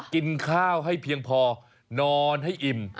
กินข้าวให้เพียงพอนอนให้อิ่ม